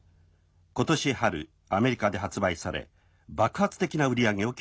今年春アメリカで発売され爆発的な売り上げを記録しています」。